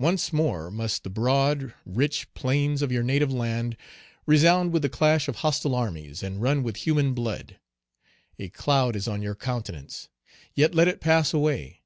Once more must the broad, rich plains of your native land resound with the clash of hostile armies, and run with human blood. A cloud is on your countenance. Yet let it pass away.